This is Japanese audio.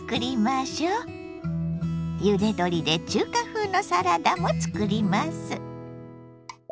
ゆで鶏で中華風のサラダもつくります。